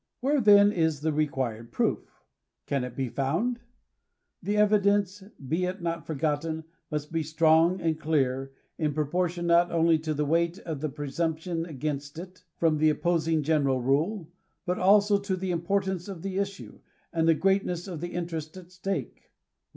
Where then is the required proof ? Can it be found ? The evidence, be ft not forgotten, must be strong and clear, in pro portion not only to the weight of the presumption against it from the opposing general rule, but also to the importance of the issue, and the greatness of the interest at stake.